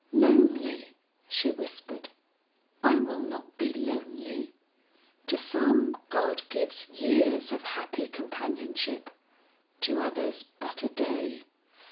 "Lonely!" she whispered; "I will not be lonely. To some God gives years of happy companionship; to others but a day.